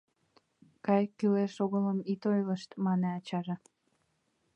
— Кай, кӱлеш-огылым ит ойлышт, — мане ачаже.